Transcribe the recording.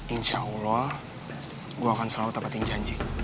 insya allah gue akan selalu dapatin janji